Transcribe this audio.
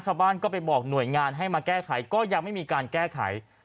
ชาวบ้านก็ไปบอกหน่วยงานให้มาแก้ไขก็ยังไม่มีการแก้ไข